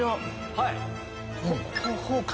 はい。